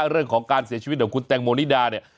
เรื่องของการเสียชีวิตของคุณแตงโมนิดาเนี่ย